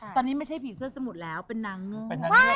ตอนนี้ไม่ใช่ผีเสื้อสมุทรแล้วเป็นนางนึ่ง